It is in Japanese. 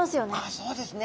そうですね。